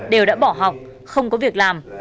đều đã bỏ học không có việc làm